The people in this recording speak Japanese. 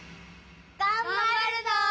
がんばるぞ！